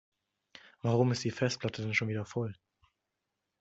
Warum ist die Festplatte denn schon wieder voll?